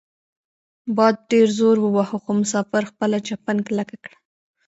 باد ډیر زور وواهه خو مسافر خپله چپن کلکه کړه.